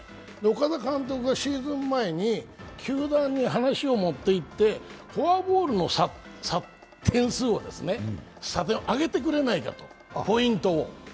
岡田監督がシーズン前に球団に話を持っていって、フォアボールの点数を査定で上げてくれないかとポイントを。